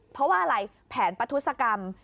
เพราะว่าอะไรแผนประทุศกรรม